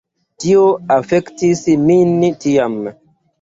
Tio afektis min tiam.